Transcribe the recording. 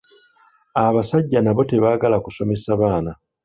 Abasajja n’abo tebaagala kusomesa baana.